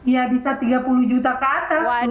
ya bisa tiga puluh juta ke atas